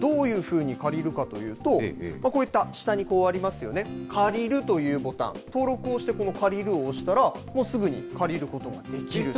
どういうふうに借りるかというと、こういった下にありますよね、借りるというボタン、登録をして、この借りるを押したら、もうすぐに借りることができると。